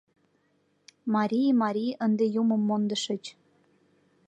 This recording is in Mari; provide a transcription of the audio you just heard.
Мари, мари, ынде Юмым мондышыч